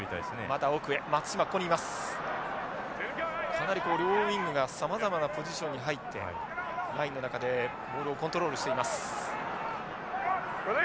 かなり両ウイングがさまざまなポジションに入ってラインの中でボールをコントロールしています。